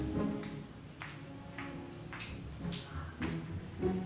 eh dimas gak boleh dibawa ke kamar